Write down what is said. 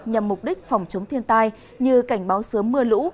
nhằm mục đích phòng chống thiên tai như cảnh báo sớm mưa lũ